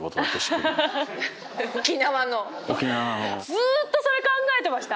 ずっとそれ考えてました？